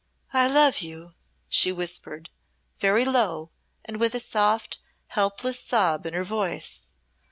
"I love you," she whispered, very low and with a soft, helpless sob in her voice.